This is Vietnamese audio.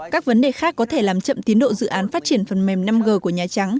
các vấn đề khác có thể làm chậm tiến độ dự án phát triển phần mềm năm g của nhà trắng